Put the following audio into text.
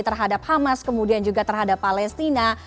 terhadap hamas kemudian juga terhadap palestina